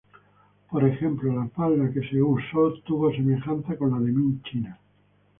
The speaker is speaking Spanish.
Por ejemplo, la falda que se usó tuvo semejanza con la de Ming china.